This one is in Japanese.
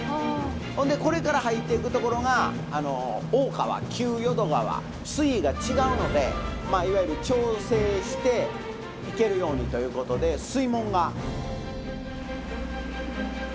ほんでこれから入っていく所が大川旧淀川水位が違うのでまあいわゆる調整して行けるようにということで水門が。